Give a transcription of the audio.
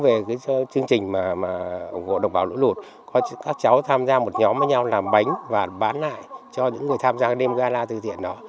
về cái chương trình mà ủng hộ đồng bào lũ lụt các cháu tham gia một nhóm với nhau làm bánh và bán lại cho những người tham gia đêm gala từ thiện đó